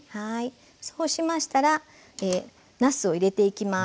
そうしましたらなすを入れていきます。